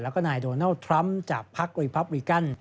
และก็นายโดนัลด์ทรัมป์จากภักดีริปรับบิกัล